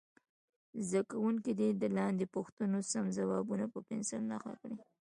زده کوونکي دې د لاندې پوښتنو سم ځوابونه په پنسل نښه کړي.